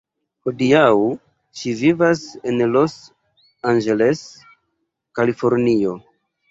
Hodiaŭ ŝi vivas en Los Angeles, Kalifornio.